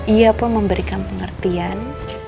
ia pun memberikan pengertian